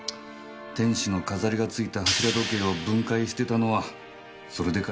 天使の飾りがついた柱時計を分解してたのはそれでか。